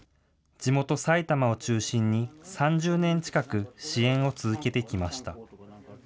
地元、埼玉を中心に３０年近く、支援を続けてきました。